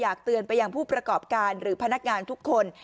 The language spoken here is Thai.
เตือนไปยังผู้ประกอบการหรือพนักงานทุกคน